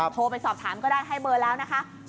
โทรไปสอบถามก็ได้ให้เบอร์แล้วนะคะ